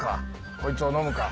こいつを飲むか？